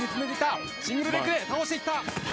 シングルレッグで倒していった！